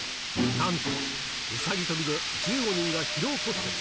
なんと、うさぎ跳びで１５人が疲労骨折。